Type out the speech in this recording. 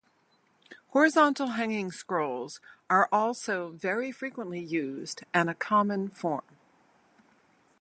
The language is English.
Horizontal hanging scrolls are also very frequently used and a common form.